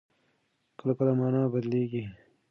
کله کله مانا بدلېږي.